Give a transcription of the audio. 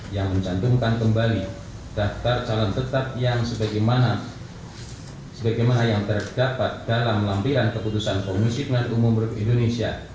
yang mencantumkan kembali daftar calon tetap yang sebagaimana yang terdapat dalam lampiran keputusan komisi pemilihan umum republik indonesia